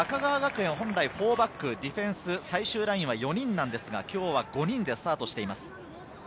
高川学園は本来４バック、ディフェンス、最終ラインは４人なんですが、今日は５人でスタートしています。